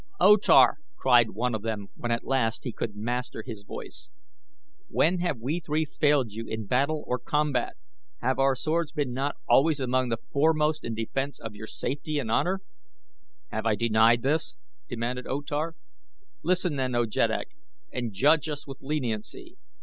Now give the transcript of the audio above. "O Tar," cried one of them when at last he could master his voice. "When have we three failed you in battle or combat? Have our swords been not always among the foremost in defense of your safety and your honor?" "Have I denied this?" demanded O Tar. "Listen, then, O Jeddak, and judge us with leniency.